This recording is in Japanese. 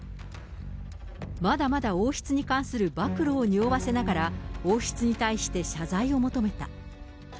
まだまだ王室に関する暴露をにおわせながら、王室に対して謝罪を求めた。